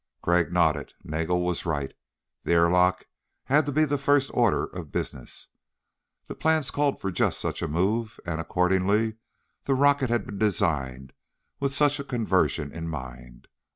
Crag nodded. Nagel was right. The airlock had to be the first order of business. The plans called for just such a move and, accordingly, the rocket had been designed with such a conversion in mind.